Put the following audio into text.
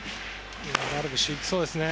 ダルビッシュ行きそうですね。